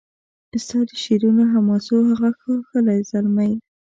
ستا د شعرونو حماسو هغه ښاغلی زلمی